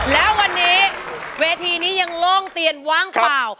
และวันนี้เวทีนี้ยังโล่งเตียนว่างเปล่า